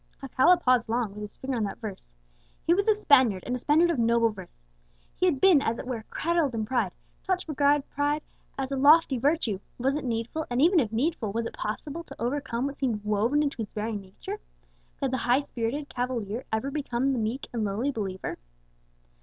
_" Alcala paused long, with his finger on that verse. He was a Spaniard, and a Spaniard of noble birth. He had been, as it were, cradled in pride; taught to regard pride as a lofty virtue. Was it needful, and even if needful, was it possible, to overcome what seemed woven into his very nature? Could the high spirited cavalier ever become the meek and lowly believer?